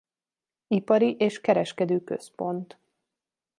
Ipari és kereskedő központ.